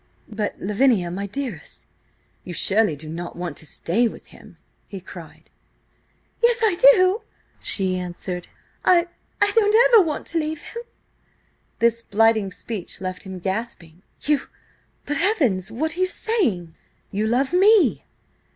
"But, Lavinia, my dearest! You surely do not want to stay with him?" he cried. "Yes I do!" she answered. "I–I don't want ever to leave him!" This blighting speech left him gasping. "You–but–heavens! what are you saying? You love me!"